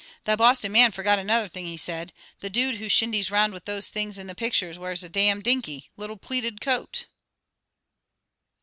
"The Boston man forgot another thing," he said. "The Dude who shindys 'round with those things in pictures, wears a damn, dinky, little pleated coat!"